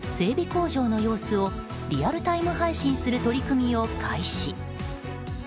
工場の様子をリアルタイム配信する取り組みを開始。